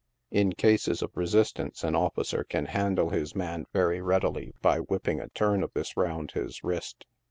In cases of resistance, an officer can handle hi;s man very readily by whipping a turn of this round his wrist.